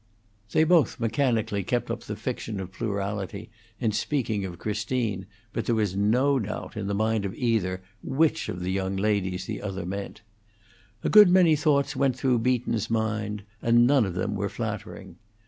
They both mechanically kept up the fiction of plurality in speaking of Christine, but there was no doubt in the mind of either which of the young ladies the other meant. A good many thoughts went through Beaton's mind, and none of them were flattering.